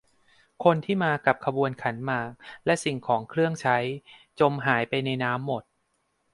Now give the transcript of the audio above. คนที่มากับขบวนขันหมาก และสิ่งของเครื่องใช้จมหายไปในน้ำหมด